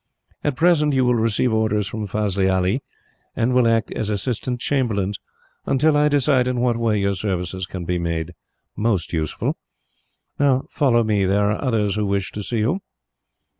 "At present, you will receive orders from Fazli Ali, and will act as assistant chamberlains, until I decide in what way your services can be made most useful. "Now, follow me. There are others who wish to see you."